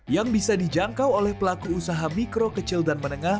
yang bisa dijangkau oleh pelaku usaha mikro kecil dan menengah